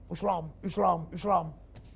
islam islam islam